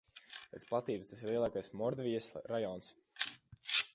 Pēc platības tas ir lielākais Mordvijas rajons.